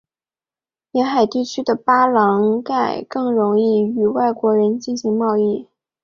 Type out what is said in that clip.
沿海地区的巴朗盖更容易与外国人进行贸易。